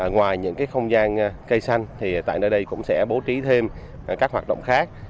ngoài những không gian cây xanh tại đây cũng sẽ bố trí thêm các hoạt động khác